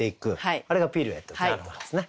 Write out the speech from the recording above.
あれがピルエットっていうことですね。